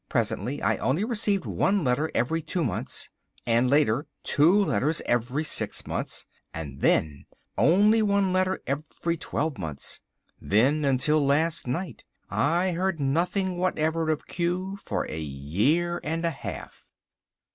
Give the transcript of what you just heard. Presently I only received one letter every two months, and later two letters every six months, and then only one letter every twelve months. Then until last night I heard nothing whatever of Q for a year and a half."